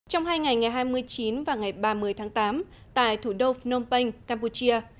trong hai ngày ngày hai mươi chín và ngày ba mươi tháng tám tại thủ đô phnom penh campuchia